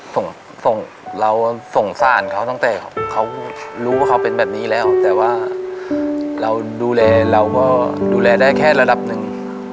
ส่งประกอบผมสงสารเค้าตั้งแต่รู้ว่ามันเป็นนี้แต่ดูแลได้แค่ระดับหนึ่ง